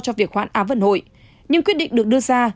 cho việc hoãn á vận hội nhưng quyết định được đưa ra